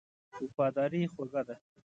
وفاداري خوږه ده.